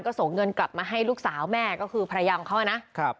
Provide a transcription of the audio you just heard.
ก็ส่งเงินกลับมาให้ลูกสาวแม่ก็คือภรรยาของเขานะครับ